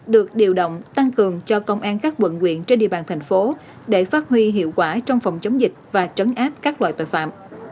được điều động tăng cường cho công an các quận quyện trên địa bàn thành phố để phát huy hiệu quả trong phòng chống dịch và trấn áp các loại tội phạm